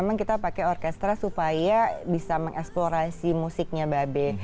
memang kita pakai orkestra supaya bisa mengeksplorasi musiknya babe